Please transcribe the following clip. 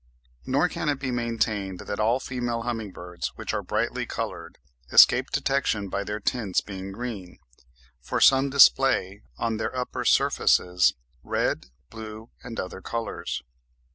Nor can it be maintained that all female humming birds, which are brightly coloured, escape detection by their tints being green, for some display on their upper surfaces red, blue, and other colours.